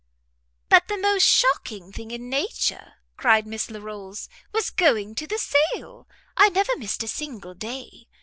"But the most shocking thing in nature," cried Miss Larolles, "was going to the sale. I never missed a single day.